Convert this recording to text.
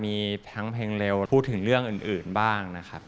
มีทั้งเพลงเร็วพูดถึงเรื่องอื่นบ้างนะครับ